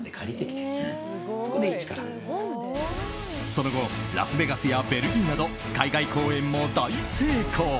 その後、ラスベガスやベルギーなど海外公演も大成功。